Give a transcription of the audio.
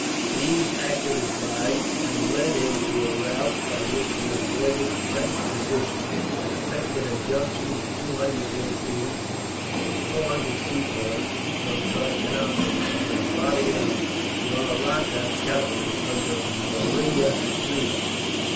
These acted as guides, and led him by a route by which he avoided the French position; and effected a junction with two hundred Europeans, and four hundred Sepoys from Trichinopoli; and with a body of Mahratta cavalry, under Murari Reo.